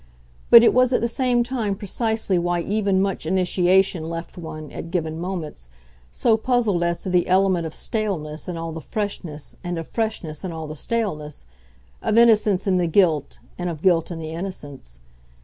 But it was at the same time precisely why even much initiation left one, at given moments, so puzzled as to the element of staleness in all the freshness and of freshness in all the staleness, of innocence in the guilt and of guilt in the innocence.